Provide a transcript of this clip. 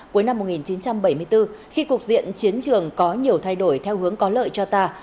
cuối năm một nghìn chín trăm bảy mươi bốn khi cục diện chiến trường có nhiều thay đổi theo hướng có lợi cho ta